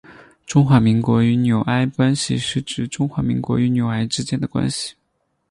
中华民国与纽埃关系是指中华民国与纽埃之间的关系。